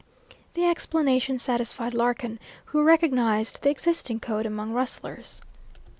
The explanation satisfied Larkin, who recognized the existing code among rustlers.